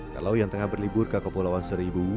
kalau yang tengah berlibur ke kepulauan seribu